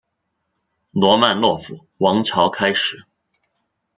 罗曼诺夫王朝开始。